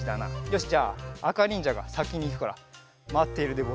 よしじゃああかにんじゃがさきにいくからまっているでござる。